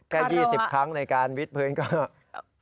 แค่๒๐ครั้งในการวิทย์พื้นก็